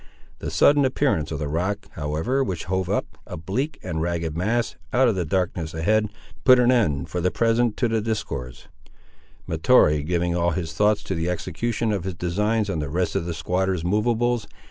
The sudden appearance of the rock, however, which hove up, a bleak and ragged mass, out of the darkness ahead, put an end for the present to the discourse, Mahtoree giving all his thoughts to the execution of his designs on the rest of the squatter's movables.